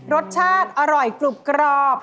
รสชาติอร่อยกรุบกรอบ